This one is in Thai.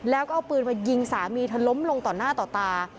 แล้วก็เอาปืนมายิงสามีเธอล้มลงต่อหน้าต่อตา